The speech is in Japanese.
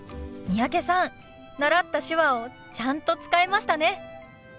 三宅さん習った手話をちゃんと使えましたね。